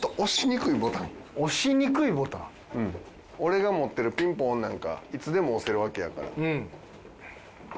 俺が持ってるピンポンなんかいつでも押せるわけやから。